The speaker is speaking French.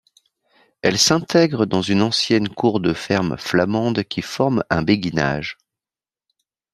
Elle s'intègre dans une ancienne cour de ferme flamande qui forme un béguinage.